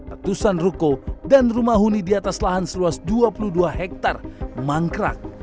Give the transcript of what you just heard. letusan ruko dan rumah huni di atas lahan seluas dua puluh dua hektare mangkrak